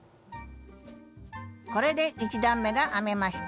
これで１段めが編めました。